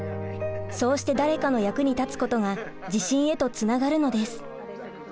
そうして誰かの役に立つことが自信へとつながるのです。